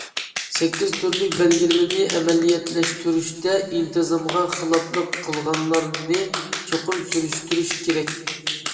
سەككىز تۈرلۈك بەلگىلىمىنى ئەمەلىيلەشتۈرۈشتە، ئىنتىزامغا خىلاپلىق قىلغانلارنى چوقۇم سۈرۈشتۈرۈش كېرەك.